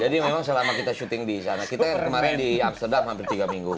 jadi memang selama kita syuting di sana kita kemarin di amsterdam hampir tiga minggu